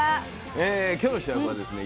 今日の主役はですね